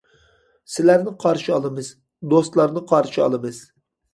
سىلەرنى قارشى ئالىمىز، دوستلارنى قارشى ئالىمىز!